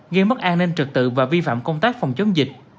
gây mất an ninh trực tự và vi phạm công tác phòng chống dịch